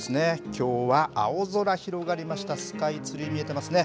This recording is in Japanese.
きょうは青空広がりました、スカイツリー見えてますね。